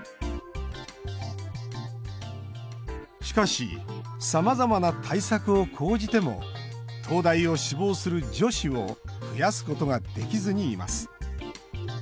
しかしさまざまな対策を講じても東大を志望する女子を増やすことができずにいます。